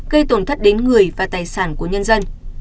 gây tổn thất đến người và tài sản của nhân dân